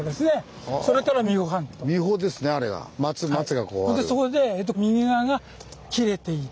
それで右側が切れていて。